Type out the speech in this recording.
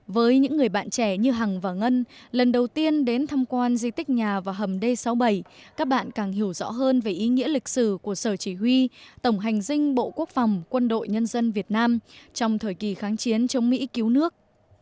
với những người bạn trẻ như hằng và ngân lần đầu tiên đến thăm quan di tích nhà và hầm d sáu mươi bảy các bạn càng hiểu rõ hơn về ý nghĩa lịch sử của sở chỉ huy tổng hành dinh bộ quốc phòng quân đội nhân dân việt nam trong thời kỳ kháng chiến chống mỹ cứu nước